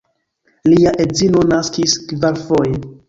Lia edzino naskis kvarfoje.